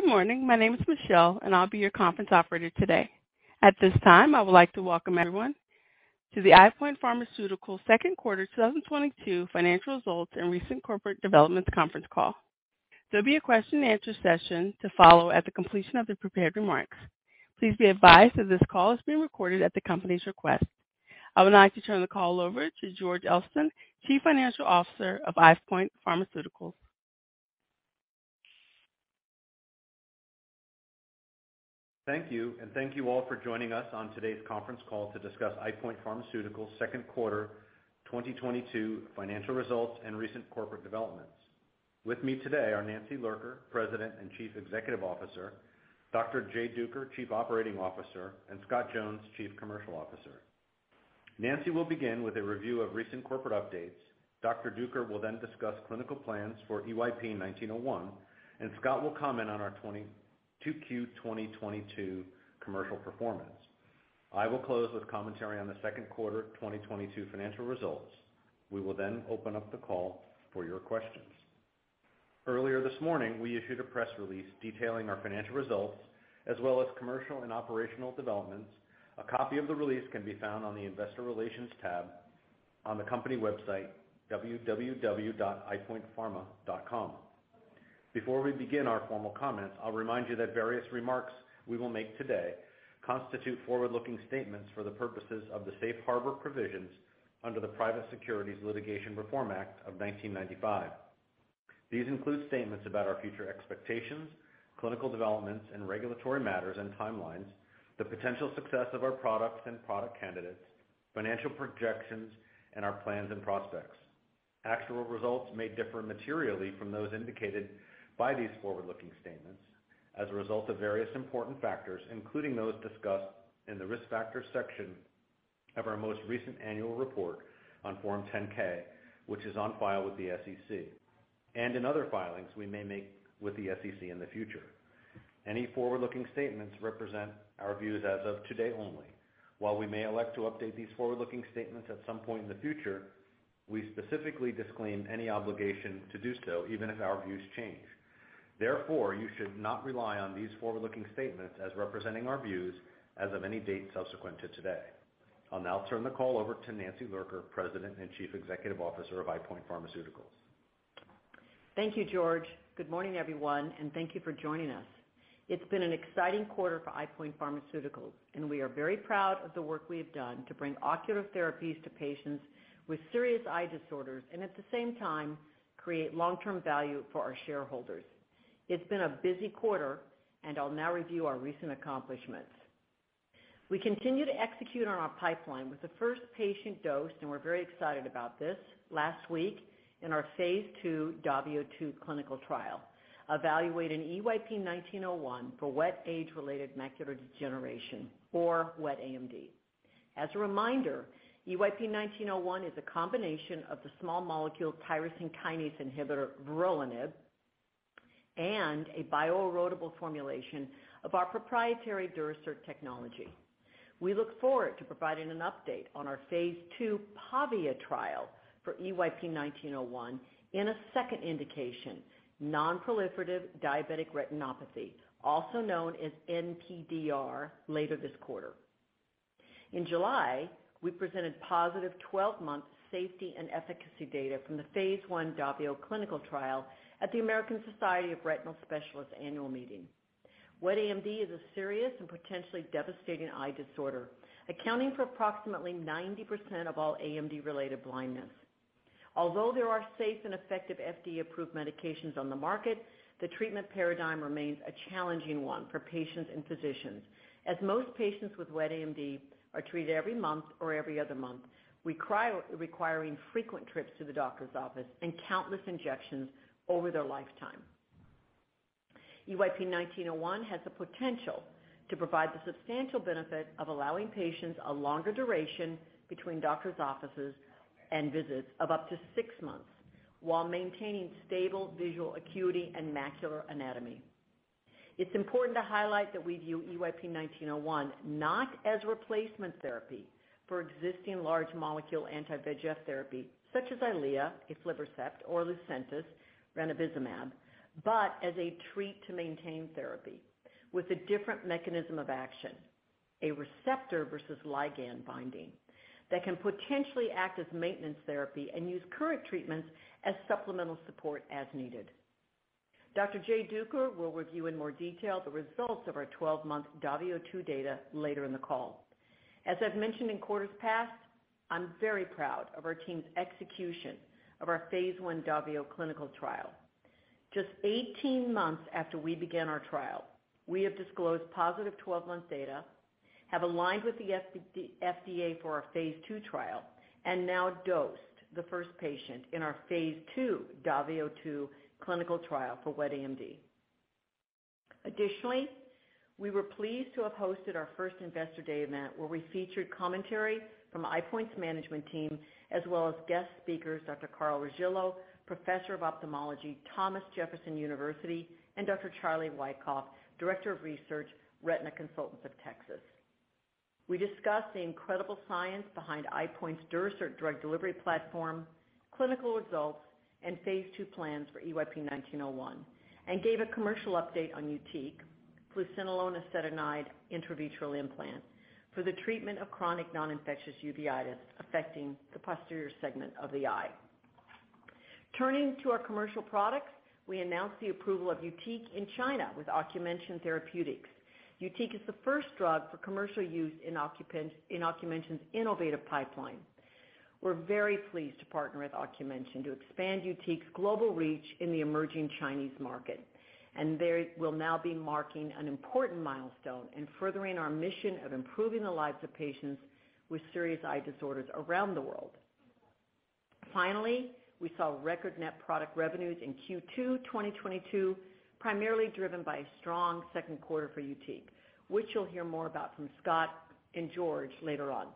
Good morning. My name is Michelle, and I'll be your conference operator today. At this time, I would like to welcome everyone to the EyePoint Pharmaceuticals Second Quarter 2022 Financial Results and Recent Corporate Developments conference call. There'll be a question and answer session to follow at the completion of the prepared remarks. Please be advised that this call is being recorded at the company's request. I would now like to turn the call over to George Elston, Chief Financial Officer of EyePoint Pharmaceuticals. Thank you, and thank you all for joining us on today's conference call to discuss EyePoint Pharmaceuticals' second quarter 2022 financial results and recent corporate developments. With me today are Nancy Lurker, President and Chief Executive Officer, Dr. Jay Duker, Chief Operating Officer, and Scott Jones, Chief Commercial Officer. Nancy will begin with a review of recent corporate updates. Dr. Duker will then discuss clinical plans for EYP-1901, and Scott will comment on our 2022 Q2 commercial performance. I will close with commentary on the second quarter 2022 financial results. We will then open up the call for your questions. Earlier this morning, we issued a press release detailing our financial results as well as commercial and operational developments. A copy of the release can be found on the Investor Relations tab on the company website, www.eyepointpharma.com. Before we begin our formal comments, I'll remind you that various remarks we will make today constitute forward-looking statements for the purposes of the Safe Harbor provisions under the Private Securities Litigation Reform Act of 1995. These include statements about our future expectations, clinical developments and regulatory matters and timelines, the potential success of our products and product candidates, financial projections, and our plans and prospects. Actual results may differ materially from those indicated by these forward-looking statements as a result of various important factors, including those discussed in the Risk Factors section of our most recent annual report on Form 10-K, which is on file with the SEC, and in other filings we may make with the SEC in the future. Any forward-looking statements represent our views as of today only. While we may elect to update these forward-looking statements at some point in the future, we specifically disclaim any obligation to do so, even if our views change. Therefore, you should not rely on these forward-looking statements as representing our views as of any date subsequent to today. I'll now turn the call over to Nancy Lurker, President and Chief Executive Officer of EyePoint Pharmaceuticals. Thank you, George. Good morning, everyone, and thank you for joining us. It's been an exciting quarter for EyePoint Pharmaceuticals, and we are very proud of the work we have done to bring ocular therapies to patients with serious eye disorders and, at the same time, create long-term value for our shareholders. It's been a busy quarter, and I'll now review our recent accomplishments. We continue to execute on our pipeline with the first patient dose, and we're very excited about this last week in our phase II DAVIO 2 clinical trial, evaluating EYP-1901 for wet age-related macular degeneration or wet AMD. As a reminder, EYP-1901 is a combination of the small molecule tyrosine kinase inhibitor vorolanib and a bioerodible formulation of our proprietary Durasert technology. We look forward to providing an update on our phase II PAVIA trial for EYP-1901 in a second indication, non-proliferative diabetic retinopathy, also known as NPDR, later this quarter. In July, we presented positive 12-month safety and efficacy data from the phase I DAVIO clinical trial at the American Society of Retina Specialists annual meeting. Wet AMD is a serious and potentially devastating eye disorder, accounting for approximately 90% of all AMD-related blindness. Although there are safe and effective FDA-approved medications on the market, the treatment paradigm remains a challenging one for patients and physicians, as most patients with wet AMD are treated every month or every other month, requiring frequent trips to the doctor's office and countless injections over their lifetime. EYP-1901 has the potential to provide the substantial benefit of allowing patients a longer duration between doctor's offices and visits of up to 6 months while maintaining stable visual acuity and macular anatomy. It's important to highlight that we view EYP-1901 not as replacement therapy for existing large molecule anti-VEGF therapy, such as EYLEA, aflibercept, or LUCENTIS, ranibizumab, but as a treatment to maintain therapy with a different mechanism of action, a receptor versus ligand binding that can potentially act as maintenance therapy and use current treatments as supplemental support as needed. Dr. Jay Duker will review in more detail the results of our 12-month DAVIO2 data later in the call. As I've mentioned in quarters past, I'm very proud of our team's execution of our phase I DAVIO clinical trial. Just 18 months after we began our trial, we have disclosed positive 12-month data, have aligned with the FDA for our phase II trial, and now dosed the first patient in our phase II DAVIO2 clinical trial for wet AMD. Additionally, we were pleased to have hosted our first Investor Day event, where we featured commentary from EyePoint's management team as well as guest speakers Dr. Carl Regillo, Professor of Ophthalmology, Thomas Jefferson University, and Dr. Charlie Wyckoff, Director of Research, Retina Consultants of Texas. We discussed the incredible science behind EyePoint's Durasert drug delivery platform, clinical results, and phase II plans for EYP-1901, and gave a commercial update on YUTIQ, fluocinolone acetonide intravitreal implant for the treatment of chronic non-infectious uveitis affecting the posterior segment of the eye. Turning to our commercial products, we announced the approval of YUTIQ in China with Ocumension Therapeutics. YUTIQ is the first drug for commercial use in Ocumension's innovative pipeline. We're very pleased to partner with Ocumension to expand YUTIQ's global reach in the emerging Chinese market, and they will now be marking an important milestone in furthering our mission of improving the lives of patients with serious eye disorders around the world. Finally, we saw record net product revenues in Q2 2022, primarily driven by strong second quarter for YUTIQ, which you'll hear more about from Scott and George later on.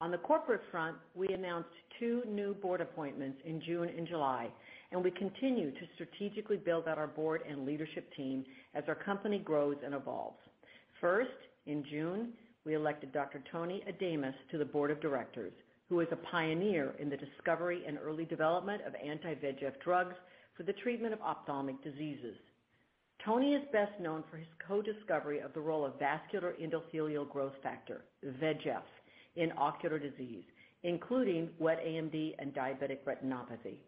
On the corporate front, we announced two new board appointments in June and July, and we continue to strategically build out our board and leadership team as our company grows and evolves. First, in June, we elected Dr. Anthony Adamis to the board of directors, who is a pioneer in the discovery and early development of anti-VEGF drugs for the treatment of ophthalmic diseases. Tony is best known for his co-discovery of the role of vascular endothelial growth factor, VEGF, in ocular disease, including wet AMD and diabetic retinopathy.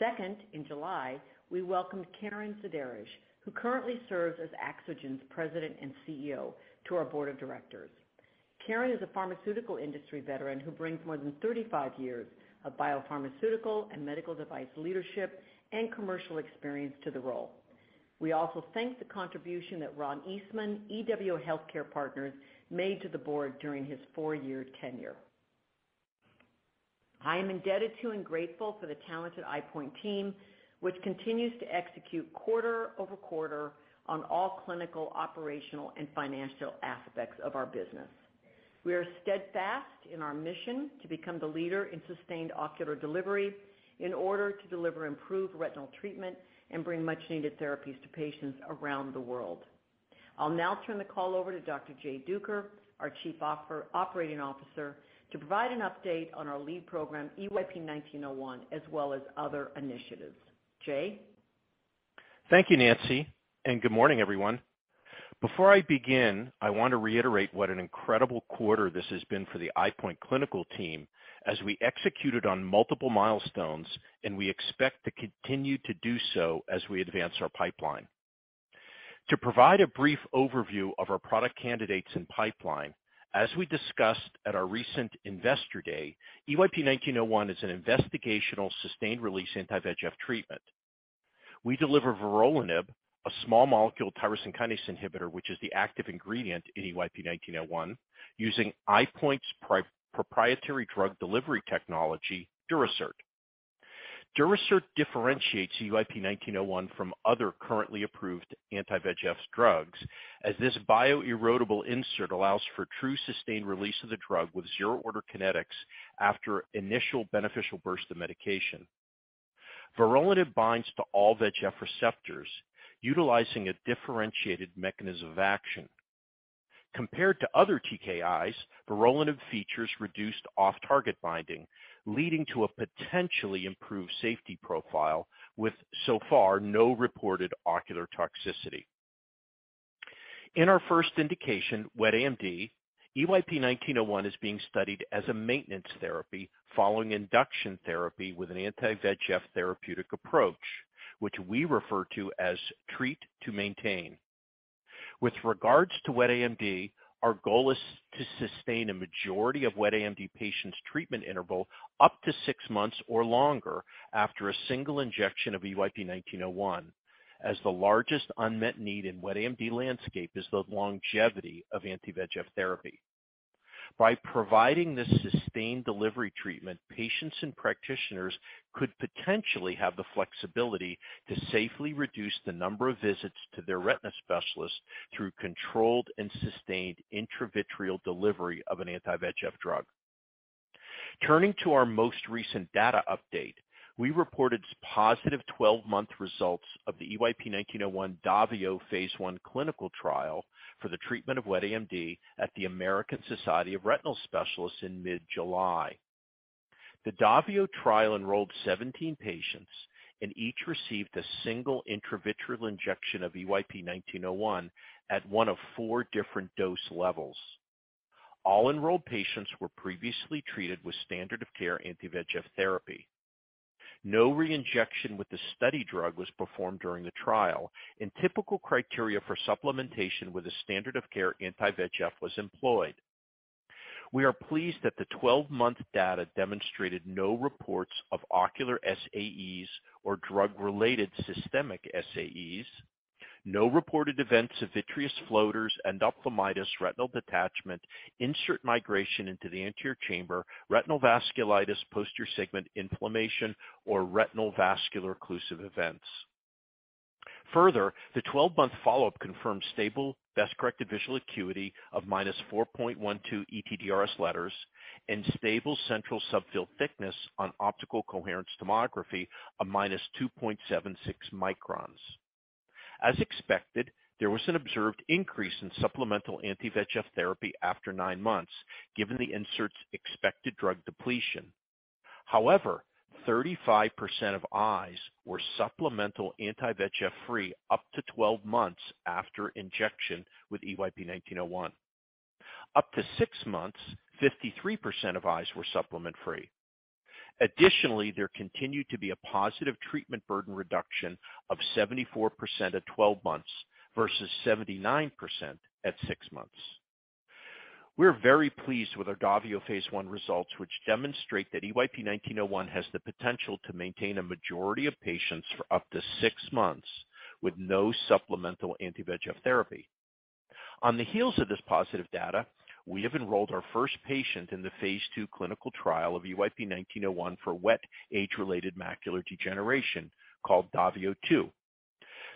Second, in July, we welcomed Karen Zaderej, who currently serves as AxoGen's President and CEO, to our board of directors. Karen is a pharmaceutical industry veteran who brings more than 35 years of biopharmaceutical and medical device leadership and commercial experience to the role. We also thank the contribution that Ron Eastman, EW Healthcare Partners, made to the board during his four-year tenure. I am indebted to and grateful for the talented EyePoint team, which continues to execute quarter-over-quarter on all clinical, operational, and financial aspects of our business. We are steadfast in our mission to become the leader in sustained ocular delivery in order to deliver improved retinal treatment and bring much-needed therapies to patients around the world. I'll now turn the call over to Dr. Jay Duker, our Chief Operating Officer, to provide an update on our lead program, EYP-1901, as well as other initiatives. Jay? Thank you Nancy, and good morning, everyone. Before I begin, I want to reiterate what an incredible quarter this has been for the EyePoint clinical team as we executed on multiple milestones, and we expect to continue to do so as we advance our pipeline. To provide a brief overview of our product candidates and pipeline, as we discussed at our recent Investor Day, EYP-1901 is an investigational sustained release anti-VEGF treatment. We deliver vorolanib, a small molecule tyrosine kinase inhibitor, which is the active ingredient in EYP-1901, using EyePoint's proprietary drug delivery technology, Durasert. Durasert differentiates EYP-1901 from other currently approved anti-VEGF drugs, as this bioerodible insert allows for true sustained release of the drug with zero-order kinetics after initial beneficial burst of medication. Vorolanib binds to all VEGF receptors utilizing a differentiated mechanism of action. Compared to other TKIs, vorolanib features reduced off-target binding, leading to a potentially improved safety profile with, so far, no reported ocular toxicity. In our first indication, wet AMD, EYP-1901 is being studied as a maintenance therapy following induction therapy with an anti-VEGF therapeutic approach, which we refer to as treat to maintain. With regards to wet AMD, our goal is to sustain a majority of wet AMD patients' treatment interval up to six months or longer after a single injection of EYP-1901, as the largest unmet need in wet AMD landscape is the longevity of anti-VEGF therapy. By providing this sustained delivery treatment, patients and practitioners could potentially have the flexibility to safely reduce the number of visits to their retina specialist through controlled and sustained intravitreal delivery of an anti-VEGF drug. Turning to our most recent data update, we reported positive 12-month results of the EYP-1901 DAVIO phase I clinical trial for the treatment of wet AMD at the American Society of Retina Specialists in mid-July. The DAVIO trial enrolled 17 patients, and each received a single intravitreal injection of EYP-1901 at one of four different dose levels. All enrolled patients were previously treated with standard of care anti-VEGF therapy. No reinjection with the study drug was performed during the trial, and typical criteria for supplementation with a standard of care anti-VEGF was employed. We are pleased that the 12-month data demonstrated no reports of ocular SAEs or drug-related systemic SAEs. No reported events of vitreous floaters, endophthalmitis, retinal detachment, insert migration into the anterior chamber, retinal vasculitis, posterior segment inflammation, or retinal vascular occlusive events. Further, the 12-month follow-up confirmed stable best-corrected visual acuity of -4.12 ETDRS letters and stable central subfield thickness on optical coherence tomography of -2.76 microns. As expected, there was an observed increase in supplemental anti-VEGF therapy after nine months, given the insert's expected drug depletion. However, 35% of eyes were supplemental anti-VEGF free up to 12 months after injection with EYP-1901. Up to six months, 53% of eyes were supplement free. Additionally, there continued to be a positive treatment burden reduction of 74% at 12 months versus 79% at six months. We're very pleased with our DAVIO phase I results, which demonstrate that EYP-1901 has the potential to maintain a majority of patients for up to six months with no supplemental anti-VEGF therapy. On the heels of this positive data, we have enrolled our first patient in the phase II clinical trial of EYP-1901 for wet age-related macular degeneration called Davio 2.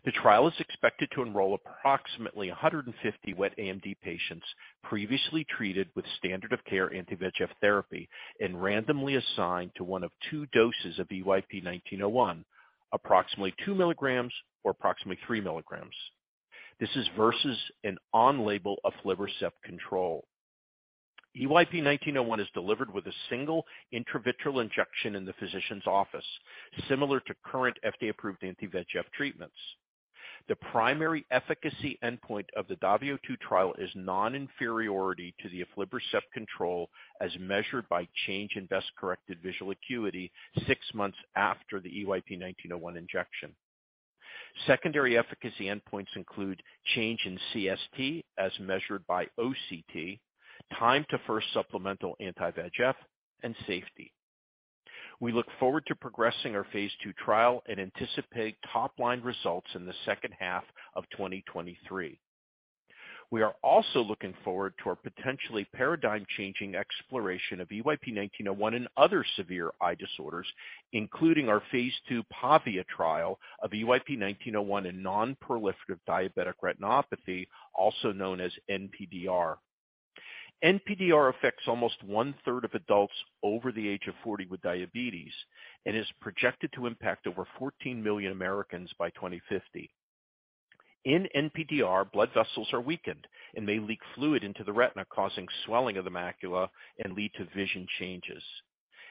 The trial is expected to enroll approximately 150 wet AMD patients previously treated with standard of care anti-VEGF therapy and randomly assigned to one of two doses of EYP-1901, approximately two milligrams or approximately three milligrams. This is versus an on-label aflibercept control. EYP-1901 is delivered with a single intravitreal injection in the physician's office, similar to current FDA-approved anti-VEGF treatments. The primary efficacy endpoint of the Davio Two trial is non-inferiority to the aflibercept control as measured by change in best-corrected visual acuity six months after the EYP-1901 injection. Secondary efficacy endpoints include change in CST as measured by OCT, time to first supplemental anti-VEGF, and safety. We look forward to progressing our phase II trial and anticipate top-line results in the second half of 2023. We are also looking forward to our potentially paradigm-changing exploration of EYP-1901 in other severe eye disorders, including our phase II PAVIA trial of EYP-1901 in non-proliferative diabetic retinopathy, also known as NPDR. NPDR affects almost one-third of adults over the age of 40 with diabetes and is projected to impact over 14 million Americans by 2050. In NPDR, blood vessels are weakened and may leak fluid into the retina, causing swelling of the macula and lead to vision changes.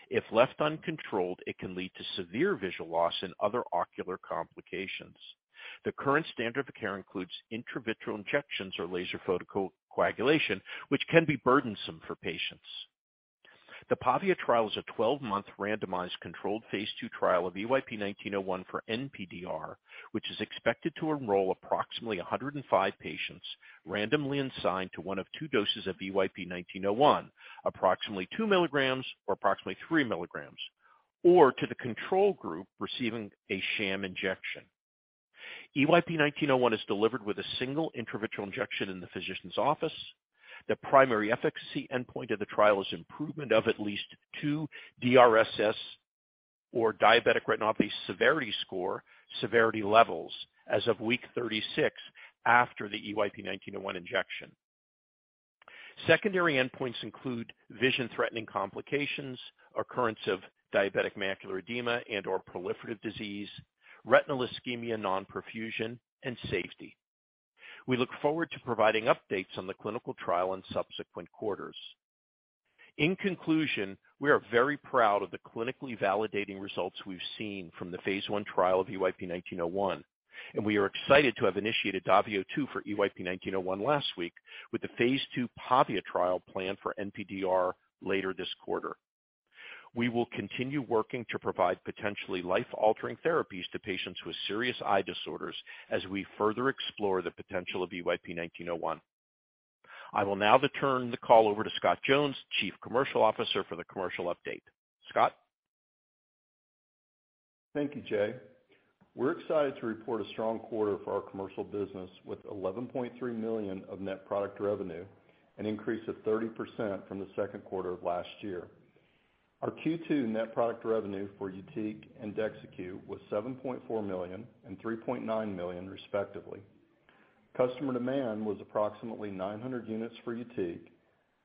If left uncontrolled, it can lead to severe visual loss and other ocular complications. The current standard of care includes intravitreal injections or laser photocoagulation, which can be burdensome for patients. The PAVIA trial is a 12-month randomized controlled phase II trial of EYP-1901 for NPDR, which is expected to enroll approximately 105 patients randomly assigned to one of two doses of EYP-1901, approximately two milligrams or approximately three milligrams, or to the control group receiving a sham injection. EYP-1901 is delivered with a single intravitreal injection in the physician's office. The primary efficacy endpoint of the trial is improvement of at least two DRSS or diabetic retinopathy severity score levels as of week 36 after the EYP-1901 injection. Secondary endpoints include vision-threatening complications, occurrence of diabetic macular edema and/or proliferative disease, retinal ischemia, non-perfusion, and safety. We look forward to providing updates on the clinical trial in subsequent quarters. In conclusion, we are very proud of the clinically validating results we've seen from the Phase I trial of EYP-1901, and we are excited to have initiated DAVIO 2 for EYP-1901 last week with the Phase II PAVIA trial planned for NPDR later this quarter. We will continue working to provide potentially life-altering therapies to patients with serious eye disorders as we further explore the potential of EYP-1901. I will now turn the call over to Scott Jones, Chief Commercial Officer, for the commercial update. Scott? Thank you, Jay. We're excited to report a strong quarter for our commercial business with $11.3 million of net product revenue, an increase of 30% from the second quarter of last year. Our Q2 net product revenue for YUTIQ and DEXYCU was $7.4 million and $3.9 million, respectively. Customer demand was approximately 900 units for YUTIQ,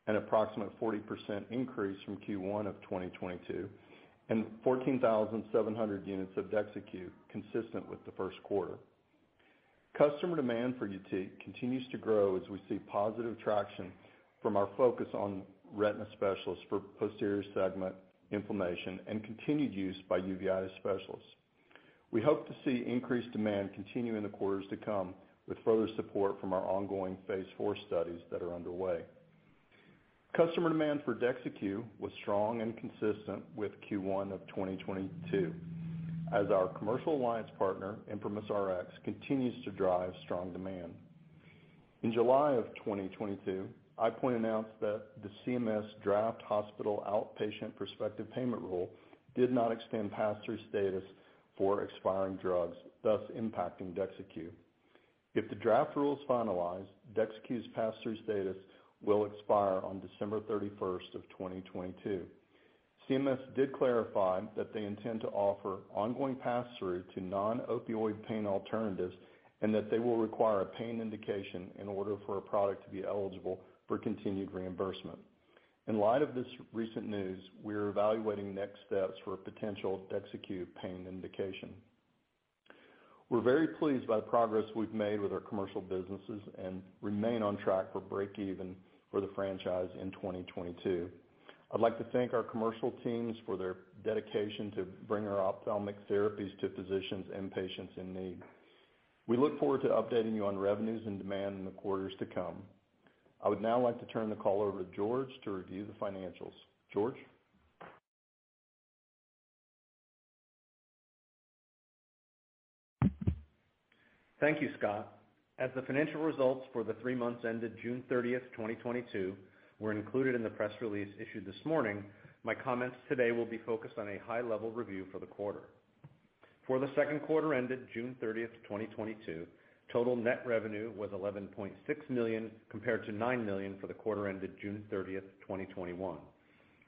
an approximate 40% increase from Q1 of 2022, and 14,700 units of DEXYCU, consistent with the first quarter. Customer demand for YUTIQ continues to grow as we see positive traction from our focus on retina specialists for posterior segment inflammation and continued use by uveitis specialists. We hope to see increased demand continue in the quarters to come with further support from our ongoing phase IV studies that are underway. Customer demand for DEXYCU was strong and consistent with Q1 of 2022 as our commercial alliance partner, ImprimisRx, continues to drive strong demand. In July of 2022, EyePoint announced that the CMS draft hospital outpatient prospective payment rule did not extend pass-through status for expiring drugs, thus impacting DEXYCU. If the draft rule is finalized, DEXYCU's pass-through status will expire on December 31, 2022. CMS did clarify that they intend to offer ongoing pass-through to non-opioid pain alternatives, and that they will require a pain indication in order for a product to be eligible for continued reimbursement. In light of this recent news, we're evaluating next steps for a potential acute pain indication. We're very pleased by the progress we've made with our commercial businesses and remain on track for break-even for the franchise in 2022. I'd like to thank our commercial teams for their dedication to bring our ophthalmic therapies to physicians and patients in need. We look forward to updating you on revenues and demand in the quarters to come. I would now like to turn the call over to George to review the financials. George? Thank you, Scott. As the financial results for the three months ended June 30, 2022 were included in the press release issued this morning, my comments today will be focused on a high-level review for the quarter. For the second quarter ended June 30, 2022, total net revenue was $11.6 million compared to $9 million for the quarter ended June 30, 2021.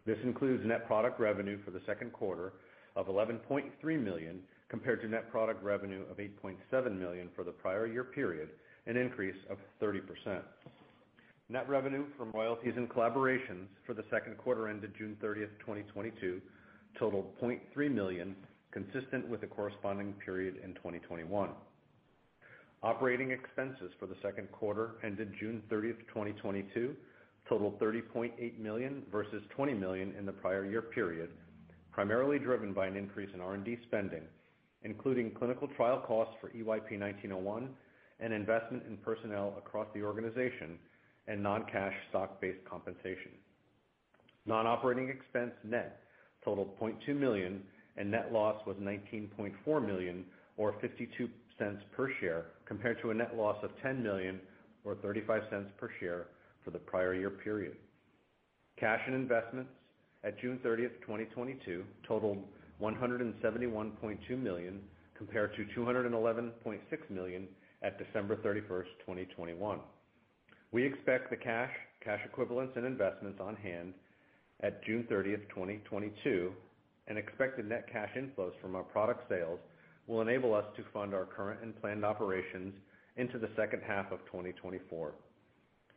This includes net product revenue for the second quarter of $11.3 million compared to net product revenue of $8.7 million for the prior year period, an increase of 30%. Net revenue from royalties and collaborations for the second quarter ended June 30, 2022 totaled $0.3 million, consistent with the corresponding period in 2021. Operating expenses for the second quarter ended June 30, 2022 totaled $30.8 million versus $20 million in the prior year period, primarily driven by an increase in R&D spending, including clinical trial costs for EYP-1901 and investment in personnel across the organization and non-cash stock-based compensation. Non-operating expense net totaled $0.2 million, and net loss was $19.4 million, or $0.52 per share, compared to a net loss of $10 million or $0.35 per share for the prior year period. Cash and investments at June 30, 2022 totaled $171.2 million compared to $211.6 million at December 31, 2021. We expect the cash equivalents, and investments on hand at June 30, 2022, and expect the net cash inflows from our product sales will enable us to fund our current and planned operations into the second half of 2024.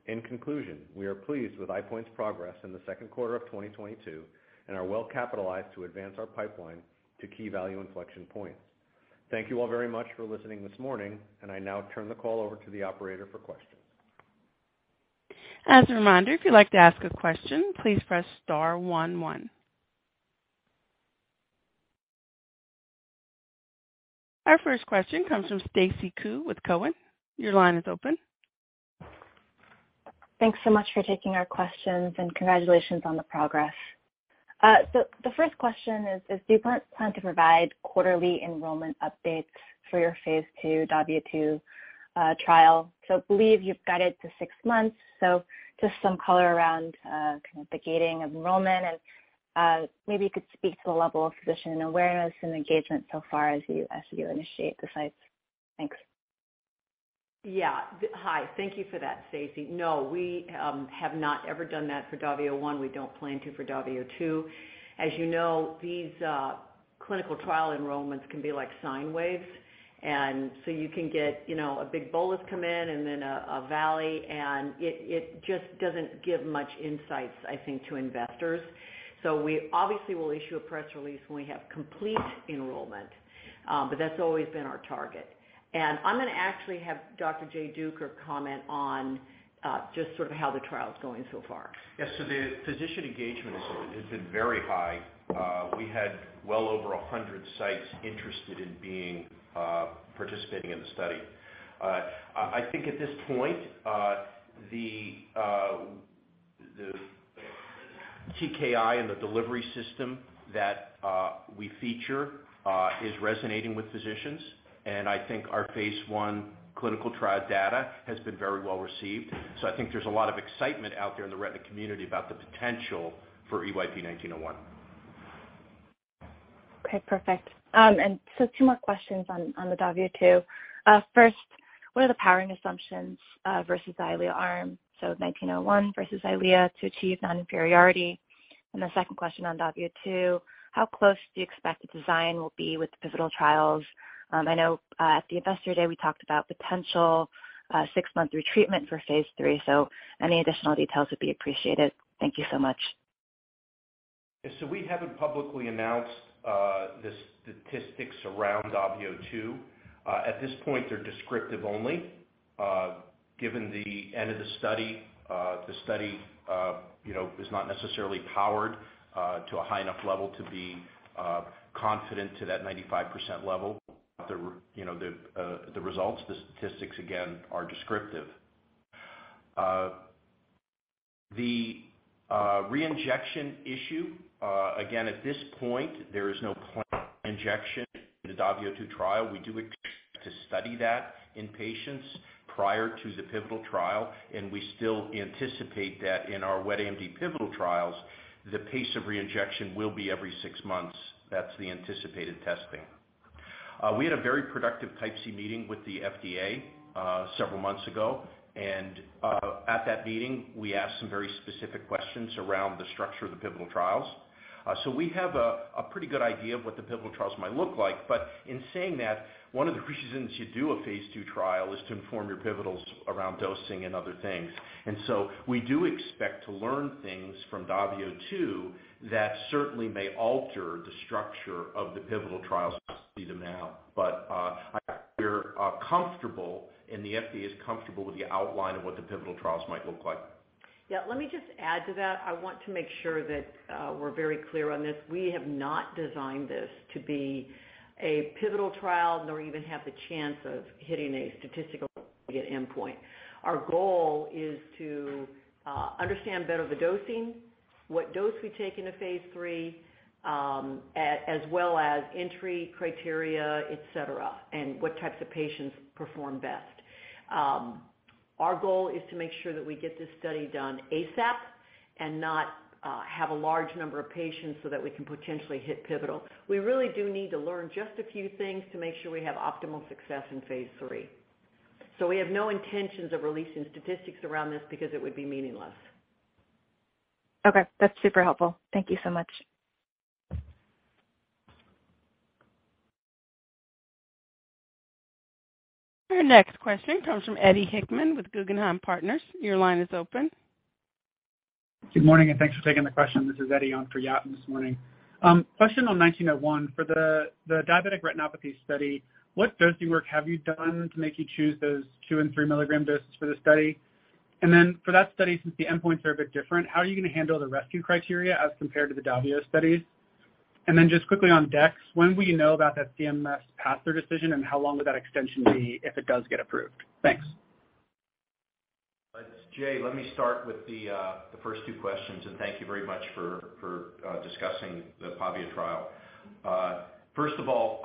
In conclusion, we are pleased with EyePoint's progress in the second quarter of 2022 and are well capitalized to advance our pipeline to key value inflection points. Thank you all very much for listening this morning, and I now turn the call over to the operator for questions. As a reminder, if you'd like to ask a question, please press star one one. Our first question comes from Stacy Ku with Cowen, your line is open. Thanks so much for taking our questions, and congratulations on the progress. The first question is, do you plan to provide quarterly enrollment updates for your phase II DAVIO 2 trial? I believe you've got it to six months. Just some color around kind of the gating enrollment and maybe you could speak to the level of physician awareness and engagement so far as you initiate the sites. Thanks. Yeah. Hi. Thank you for that, Stacy. No, we have not ever done that for DAVIO one. We don't plan to for DAVIO two. As you know, these clinical trial enrollments can be like sine waves. You can get, you know, a big bolus come in and then a valley, and it just doesn't give much insights, I think, to investors. We obviously will issue a press release when we have complete enrollment, but that's always been our target. I'm gonna actually have Dr. Jay Duker comment on just sort of how the trial is going so far. Yes. The physician engagement has been very high. We had well over 100 sites interested in participating in the study. I think at this point, the TKI and the delivery system that we feature is resonating with physicians. And I think our phase one clinical trial data has been very well received. I think there's a lot of excitement out there in the retina community about the potential for EYP-1901. Okay, perfect. Two more questions on the DAVIO 2. First, what are the powering assumptions versus EYLEA arm, so 1901 versus EYLEA to achieve non-inferiority? The second question on DAVIO 2, how close do you expect the design will be with the pivotal trials? I know at the Investor Day, we talked about potential six-month retreatment for phase III, so any additional details would be appreciated. Thank you so much. We haven't publicly announced the statistics around DAVIO 2. At this point, they're descriptive only. Given the end of the study, the study is not necessarily powered to a high enough level to be confident to that 95% level. The results, the statistics again are descriptive. The re-injection issue, again, at this point, there is no planned injection in the DAVIO 2 trial. We do expect to study that in patients prior to the pivotal trial, and we still anticipate that in our wet AMD pivotal trials, the pace of re-injection will be every six months. That's the anticipated testing. We had a very productive Type C meeting with the FDA several months ago. At that meeting, we asked some very specific questions around the structure of the pivotal trials. We have a pretty good idea of what the pivotal trials might look like. In saying that, one of the reasons you do a phase II trial is to inform your pivotals around dosing and other things. We do expect to learn things from DAVIO II that certainly may alter the structure of the pivotal trials as we see them now. We're comfortable and the FDA is comfortable with the outline of what the pivotal trials might look like. Yeah, let me just add to that. I want to make sure that we're very clear on this. We have not designed this to be a pivotal trial, nor even have the chance of hitting a statistical endpoint. Our goal is to understand better the dosing, what dose we take into phase three, as well as entry criteria, et cetera, and what types of patients perform best. Our goal is to make sure that we get this study done ASAP and not have a large number of patients so that we can potentially hit pivotal. We really do need to learn just a few things to make sure we have optimal success in phase three. We have no intentions of releasing statistics around this because it would be meaningless. Okay, that's super helpful. Thank you so much. Our next question comes from Eddie Hickman with Guggenheim Securities, your line is open. Good morning, and thanks for taking the question. This is Eddie on for Yat this morning. Question on EYP-1901. For the diabetic retinopathy study, what dosing work have you done to make you choose those two and three milligram doses for the study? For that study, since the endpoints are a bit different, how are you gonna handle the rescue criteria as compared to the DAVIO studies? Just quickly on DEXYCU, when will you know about that CMS pass-through decision, and how long would that extension be if it does get approved? Thanks. It's Jay. Let me start with the first two questions, and thank you very much for discussing the PAVIA trial. First of all,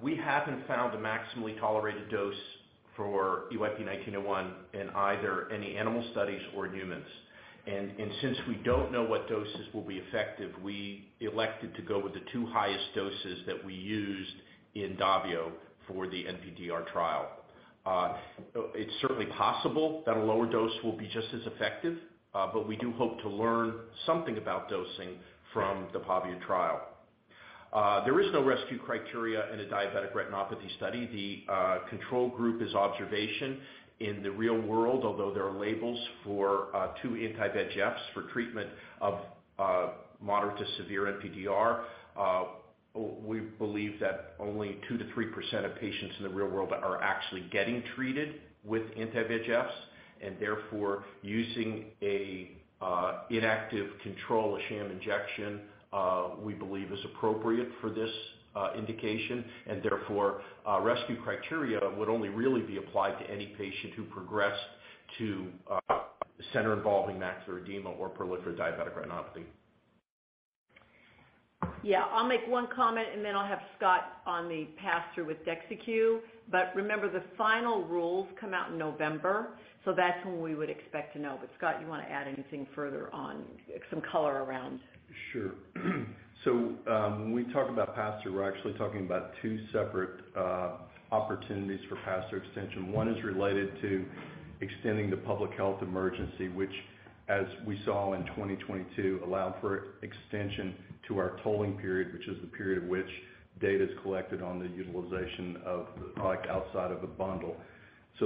we haven't found the maximally tolerated dose for EYP-1901 in either animal studies or in humans. Since we don't know what doses will be effective, we elected to go with the two highest doses that we used in DAVIO for the NPDR trial. It's certainly possible that a lower dose will be just as effective, but we do hope to learn something about dosing from the PAVIA trial. There is no rescue criteria in a diabetic retinopathy study. The control group is observation in the real world. Although there are labels for two anti-VEGFs for treatment of moderate to severe NPDR, we believe that only 2%-3% of patients in the real world are actually getting treated with anti-VEGFs, and therefore using a inactive control, a sham injection, we believe is appropriate for this indication. Therefore, rescue criteria would only really be applied to any patient who progressed to center involving macular edema or proliferative diabetic retinopathy. Yeah. I'll make one comment, and then I'll have Scott on the pass-through with DEXYCU. Remember, the final rules come out in November, so that's when we would expect to know. Scott, you wanna add anything further on some color around? Sure. When we talk about pass-through, we're actually talking about two separate opportunities for pass-through extension. One is related to extending the public health emergency, which as we saw in 2022, allowed for extension to our tolling period, which is the period in which data is collected on the utilization of the product outside of the bundle.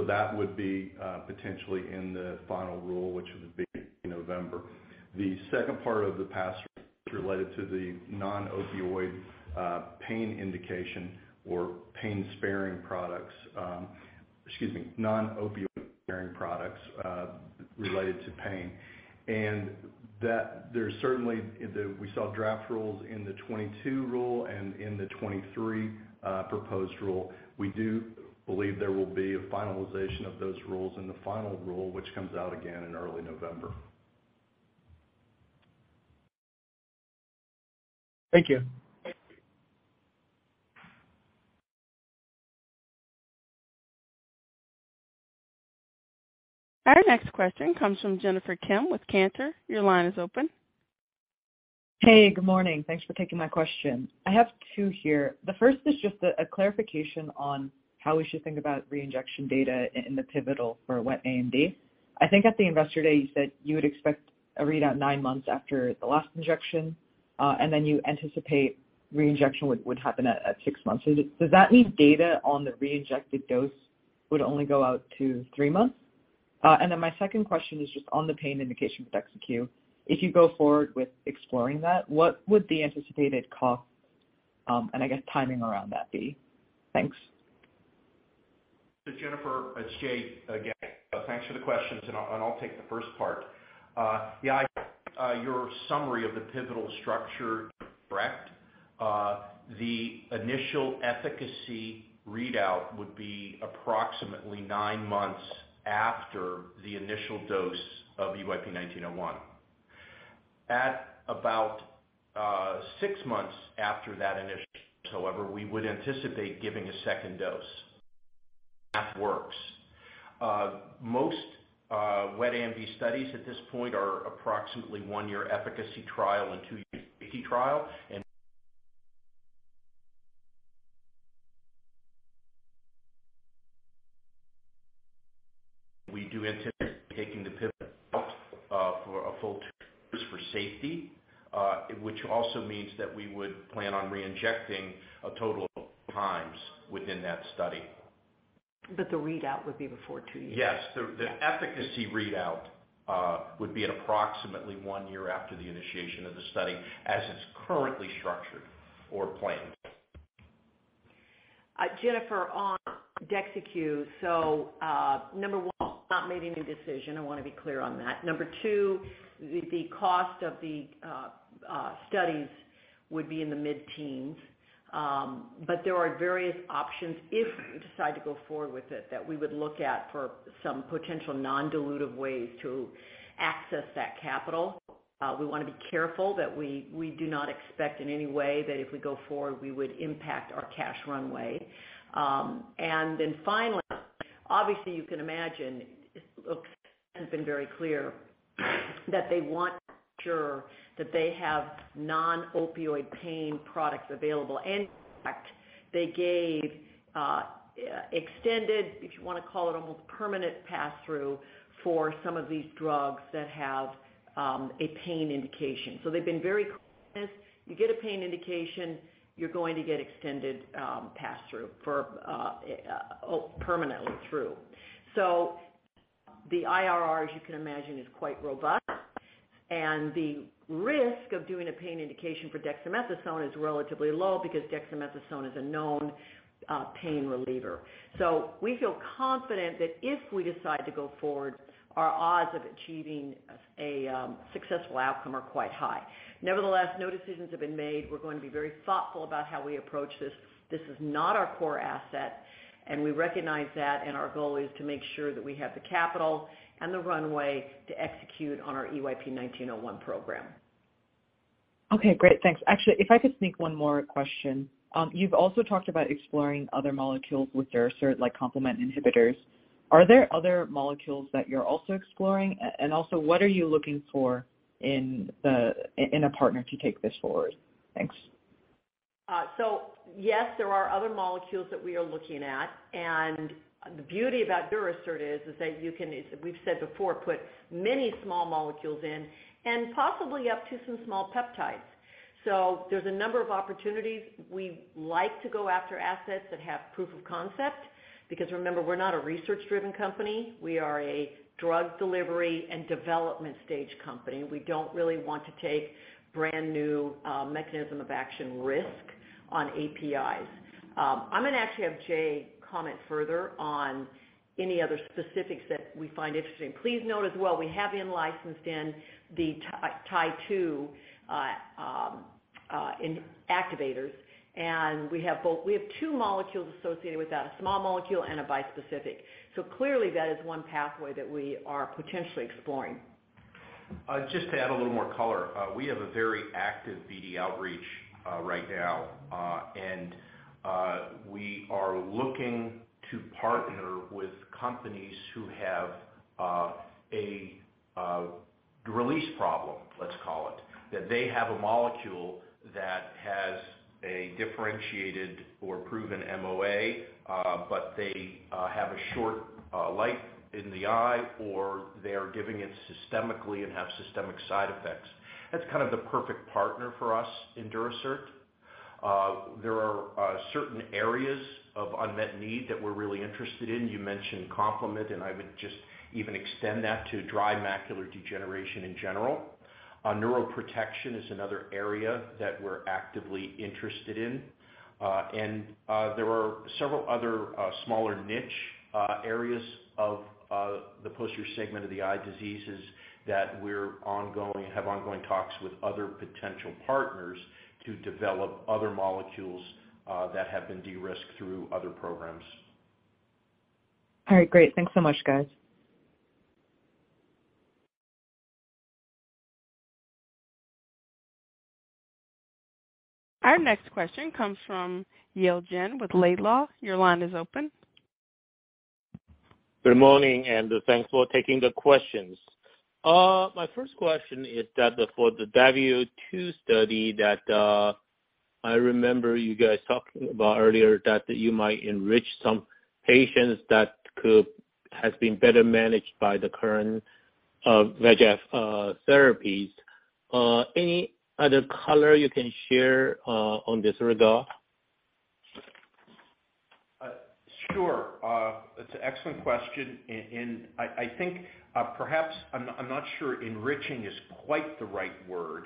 That would be potentially in the final rule, which would be November. The second part of the pass-through is related to non-opioid sparing products related to pain. We saw draft rules in the 2022 rule and in the 2023 proposed rule. We do believe there will be a finalization of those rules in the final rule, which comes out again in early November. Thank you. Our next question comes from Jennifer Kim with Cantor, your line is open. Hey, good morning. Thanks for taking my question. I have two here. The first is just a clarification on how we should think about reinjection data in the pivotal for wet AMD. I think at the Investor Day, you said you would expect a readout nine months after the last injection, and then you anticipate reinjection would happen at six months. Does that mean data on the reinjected dose would only go out to three months? And then my second question is just on the pain indication with DEXYCU. If you go forward with exploring that, what would the anticipated cost and I guess timing around that be? Thanks. Jennifer, it's Jay again. Thanks for the questions, and I'll take the first part. Your summary of the pivotal structure is correct. The initial efficacy readout would be approximately nine months after the initial dose of EYP-1901. At about six months after that initial, however, we would anticipate giving a second dose if the math works. Most wet AMD studies at this point are approximately one year efficacy trial and two year safety trial. We do anticipate taking the pivot for a full two years for safety, which also means that we would plan on re-injecting a total of times within that study. The readout would be before two years? Yes. The efficacy readout would be at approximately one year after the initiation of the study, as it's currently structured or planned. Jennifer, on DEXYCU. Number one, we have not made any decision. I wanna be clear on that. Number two, the cost of the studies would be in the mid-teens. But there are various options if we decide to go forward with it that we would look at for some potential non-dilutive ways to access that capital. We wanna be careful that we do not expect in any way that if we go forward, we would impact our cash runway. Then finally, obviously, you can imagine, look, has been very clear that they want to ensure that they have non-opioid pain products available. In fact, they gave extended, if you wanna call it, almost permanent pass-through for some of these drugs that have a pain indication. They've been very clear on this. You get a pain indication, you're going to get extended pass-through for permanently through. The IRR, as you can imagine, is quite robust. The risk of doing a pain indication for DEXYCU is relatively low because DEXYCU is a known pain reliever. We feel confident that if we decide to go forward, our odds of achieving a successful outcome are quite high. Nevertheless, no decisions have been made. We're going to be very thoughtful about how we approach this. This is not our core asset, and we recognize that, and our goal is to make sure that we have the capital and the runway to execute on our EYP-1901 program. Okay, great. Thanks. Actually, if I could sneak one more question. You've also talked about exploring other molecules with Durasert like complement inhibitors. Are there other molecules that you're also exploring? And also what are you looking for in a partner to take this forward? Thanks. Yes, there are other molecules that we are looking at. The beauty about Durasert is that you can, as we've said before, put many small molecules in and possibly up to some small peptides. There's a number of opportunities. We like to go after assets that have proof of concept because remember, we're not a research-driven company. We are a drug delivery and development stage company. We don't really want to take brand new mechanism of action risk on APIs. I'm gonna actually have Jay comment further on any other specifics that we find interesting. Please note as well, we have in-licensed the Tie-2 activators, and we have both. We have two molecules associated with that, a small molecule and a bispecific. Clearly that is one pathway that we are potentially exploring. Just to add a little more color. We have a very active BD outreach right now. We are looking to partner with companies who have a release problem, let's call it. That they have a molecule that has a differentiated or proven MOA, but they have a short life in the eye, or they are giving it systemically and have systemic side effects. That's kind of the perfect partner for us in Durasert. There are certain areas of unmet need that we're really interested in. You mentioned complement, and I would just even extend that to dry macular degeneration in general. Neuroprotection is another area that we're actively interested in. There are several other smaller niche areas of the posterior segment of the eye diseases that we have ongoing talks with other potential partners to develop other molecules that have been de-risked through other programs. All right, great. Thanks so much, guys. Our next question comes from Yale Jen with Laidlaw, your line is open. Good morning, and thanks for taking the questions. My first question is that for the DAVIO2 study that I remember you guys talking about earlier, that you might enrich some patients that has been better managed by the current VEGF therapies. Any other color you can share on this regard? Sure. It's an excellent question. And I think, perhaps I'm not sure enriching is quite the right word.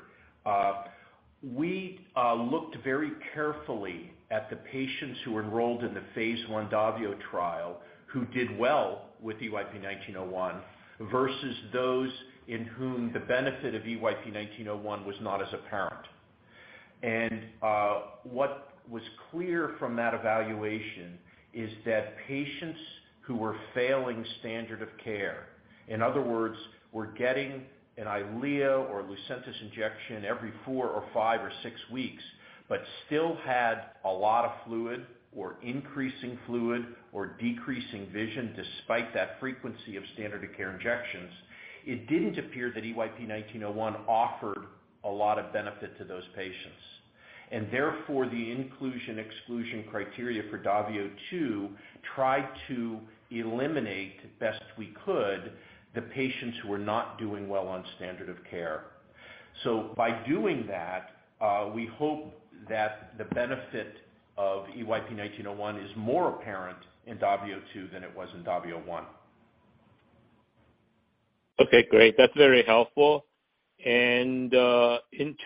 We looked very carefully at the patients who enrolled in the phase I DAVIO trial who did well with EYP-1901, versus those in whom the benefit of EYP-1901 was not as apparent. What was clear from that evaluation is that patients who were failing standard of care, in other words, were getting an EYLEA or LUCENTIS injection every four or five or six weeks but still had a lot of fluid or increasing fluid or decreasing vision despite that frequency of standard of care injections. It didn't appear that EYP-1901 offered a lot of benefit to those patients. Therefore, the inclusion exclusion criteria for DAVIO II tried to eliminate best we could the patients who are not doing well on standard of care. By doing that, we hope that the benefit of EYP-1901 is more apparent in DAVIO2 than it was in DAVIO. Okay, great. That's very helpful. In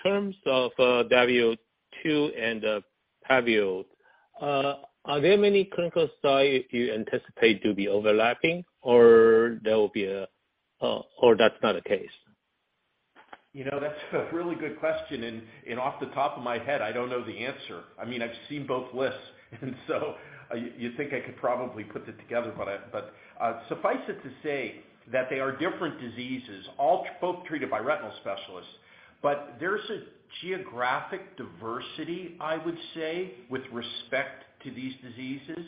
terms of DAVIO2 and PAVIA, are there many clinical studies you anticipate to be overlapping, or that's not the case? You know, that's a really good question, and off the top of my head, I don't know the answer. I mean, I've seen both lists, and so you'd think I could probably put that together. Suffice it to say that they are different diseases, or both treated by retinal specialists. There's a geographic diversity, I would say, with respect to these diseases.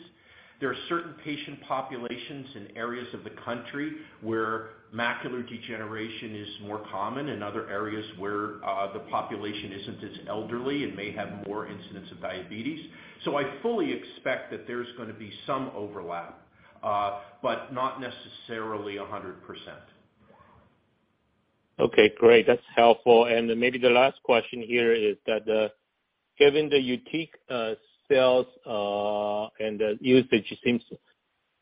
There are certain patient populations in areas of the country where macular degeneration is more common, in other areas where the population isn't as elderly and may have more incidence of diabetes. I fully expect that there's going to be some overlap, but not necessarily 100%. Okay, great. That's helpful. Maybe the last question here is that, given the YUTIQ sales and the usage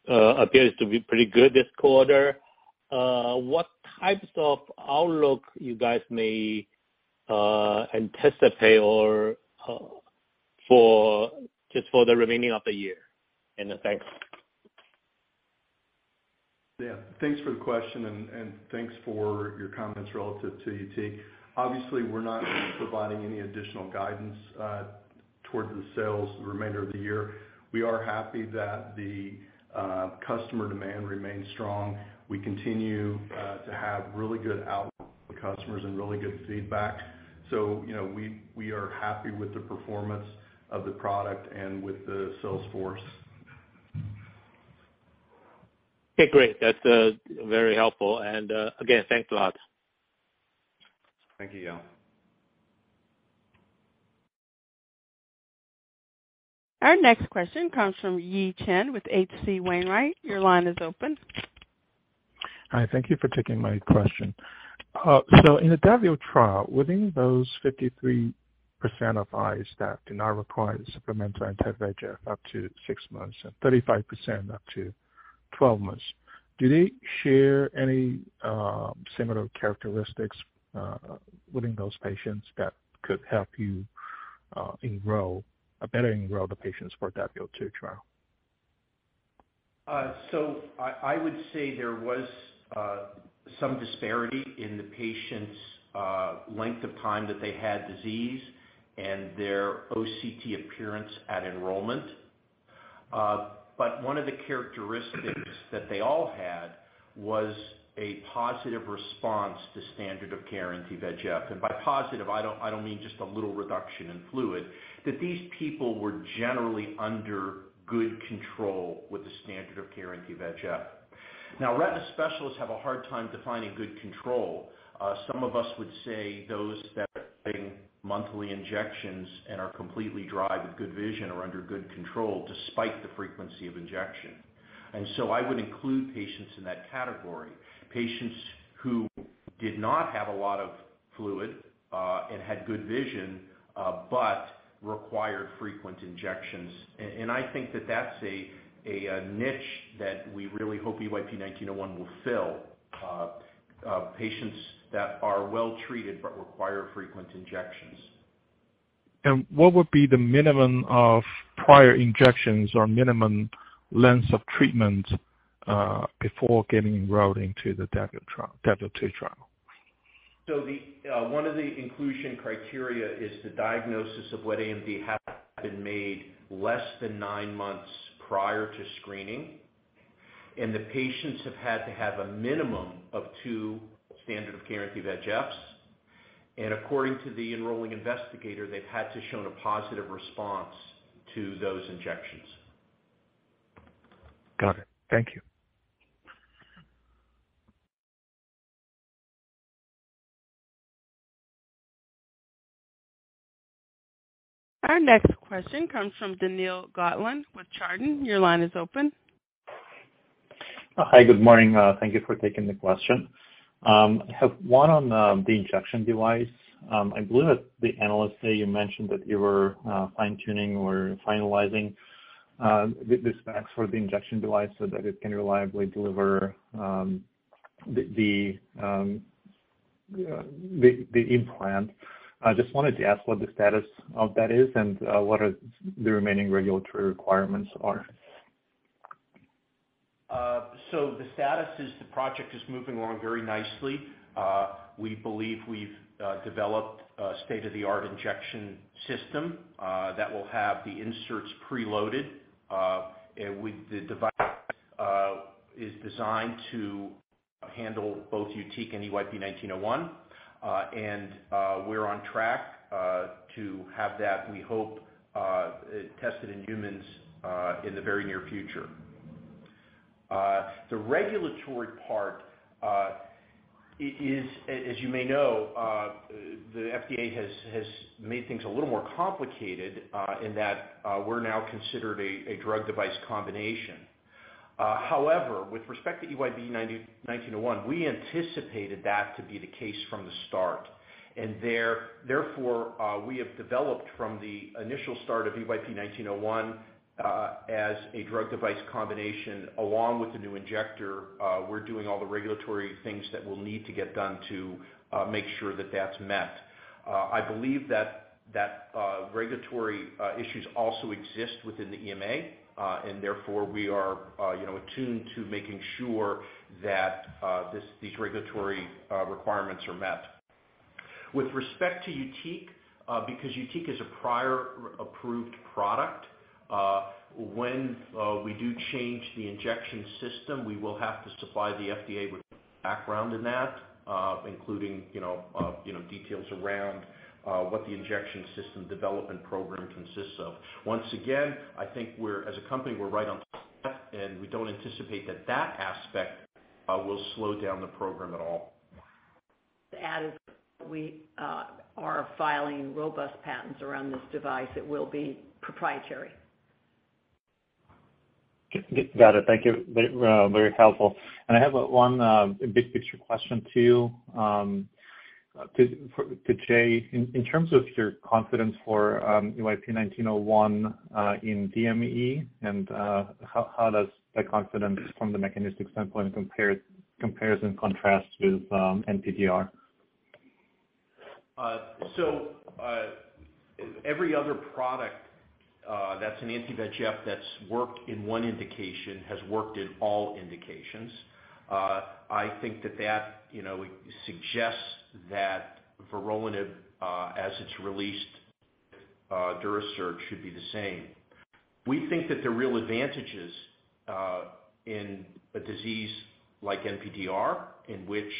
appears to be pretty good this quarter, what types of outlook you guys may anticipate for just the remaining of the year? Thanks. Yeah. Thanks for the question and thanks for your comments relative to YUTIQ. Obviously, we're not providing any additional guidance towards the sales for the remainder of the year. We are happy that the customer demand remains strong. We continue to have really good outlook from customers and really good feedback. You know, we are happy with the performance of the product and with the sales force. Okay, great. That's very helpful. Again, thanks a lot. Thank you. Our next question comes from Yi Chen with H.C. Wainwright & Co, your line is open. Hi, thank you for taking my question. In the DAVIO trial, within those 53% of eyes that do not require supplemental anti-VEGF up to six months, and 35% up to 12 months, do they share any similar characteristics within those patients that could help you enroll or better enroll the patients for DAVIO 2 trial? I would say there was some disparity in the patients' length of time that they had disease and their OCT appearance at enrollment. One of the characteristics that they all had was a positive response to standard of care anti-VEGF. By positive, I don't mean just a little reduction in fluid, that these people were generally under good control with the standard of care anti-VEGF. Now, retina specialists have a hard time defining good control. Some of us would say those that are getting monthly injections and are completely dry with good vision are under good control despite the frequency of injection. I would include patients in that category, patients who did not have a lot of fluid and had good vision but required frequent injections. I think that that's a niche that we really hope EYP-1901 will fill, patients that are well treated but require frequent injections. What would be the minimum of prior injections or minimum length of treatment before getting enrolled into the DAVIO trial, DAVIO 2 trial? The one of the inclusion criteria is the diagnosis of wet AMD have been made less than nine months prior to screening, and the patients have had to have a minimum of two standard of care anti-VEGFs. According to the enrolling investigator, they've had to shown a positive response to those injections. Got it. Thank you. Our next question comes from Daniil Gataulin, your line is open. Hi, good morning. Thank you for taking the question. I have one on the injection device. I believe at the Analyst Day you mentioned that you were fine-tuning or finalizing the implant. I just wanted to ask what the status of that is and what are the remaining regulatory requirements are. The status is the project is moving along very nicely. We believe we've developed a state-of-the-art injection system that will have the inserts preloaded with the device is designed to handle both YUTIQ and EYP-1901. We're on track to have that, we hope, tested in humans in the very near future. The regulatory part is, as you may know, the FDA has made things a little more complicated in that we're now considered a drug-device combination. However, with respect to EYP-1901, we anticipated that to be the case from the start. Therefore, we have developed from the initial start of EYP-1901 as a drug-device combination along with the new injector, we're doing all the regulatory things that we'll need to get done to make sure that that's met. I believe that regulatory issues also exist within the EMA, and therefore we are, you know, attuned to making sure that these regulatory requirements are met. With respect to YUTIQ, because YUTIQ is a prior approved product, when we do change the injection system, we will have to supply the FDA with background in that, including, you know, details around what the injection system development program consists of. Once again, I think we're, as a company, we're right on, and we don't anticipate that aspect will slow down the program at all. To add, we are filing robust patents around this device. It will be proprietary. Got it. Thank you. Very, very helpful. I have one big picture question to you. To Jay, in terms of your confidence for EYP-1901 in DME, and how does that confidence from the mechanistic standpoint compares and contrasts with NPDR? Every other product that's an anti-VEGF that's worked in one indication has worked in all indications. I think that, you know, suggests that vorolanib, as it's released, Durasert should be the same. We think that the real advantages in a disease like NPDR, in which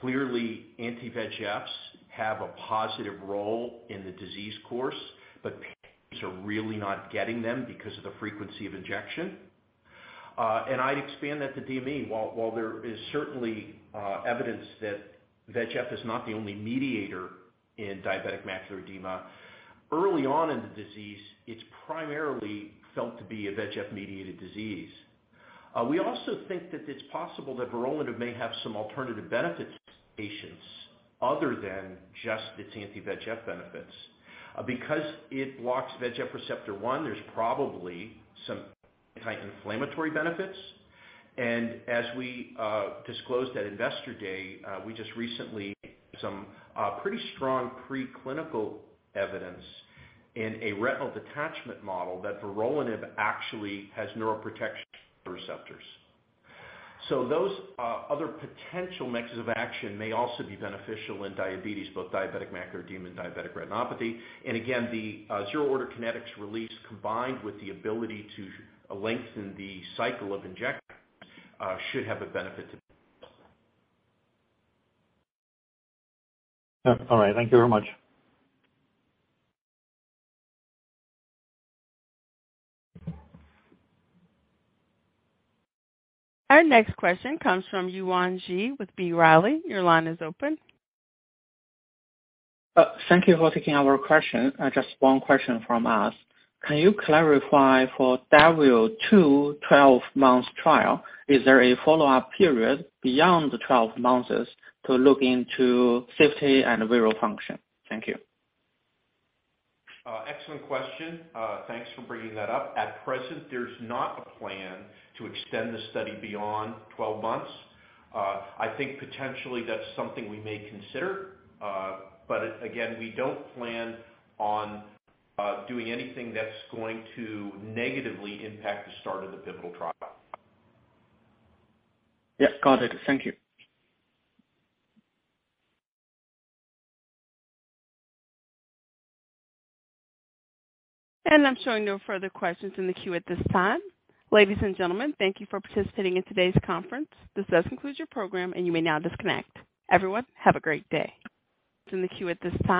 clearly anti-VEGFs have a positive role in the disease course, but patients are really not getting them because of the frequency of injection. I'd expand that to DME. While there is certainly evidence that VEGF is not the only mediator in diabetic macular edema, early on in the disease, it's primarily felt to be a VEGF-mediated disease. We also think that it's possible that vorolanib may have some alternative benefits to patients other than just its anti-VEGF benefits. Because it blocks VEGF receptor one, there's probably some anti-inflammatory benefits. As we disclosed at Investor Day, we just recently some pretty strong preclinical evidence in a retinal detachment model that vorolanib actually has neuroprotective effects. Those other potential mechanisms of action may also be beneficial in diabetes, both diabetic macular edema and diabetic retinopathy. Again, the zero-order kinetics release combined with the ability to lengthen the cycle of injection should have a benefit to patients. All right. Thank you very much. Our next question comes from Yi Chen with B. Riley. Your line is open. Thank you for taking our question. Just one question from us. Can you clarify for phase II 12-month trial, is there a follow-up period beyond the 12 months to look into safety and visual function? Thank you. Excellent question. Thanks for bringing that up. At present, there's not a plan to extend the study beyond 12 months. I think potentially that's something we may consider. But again, we don't plan on doing anything that's going to negatively impact the start of the pivotal trial. Yes. Got it. Thank you. I'm showing no further questions in the queue at this time. Ladies and gentlemen, thank you for participating in today's conference. This does conclude your program, and you may now disconnect. Everyone, have a great day. In the queue at this time.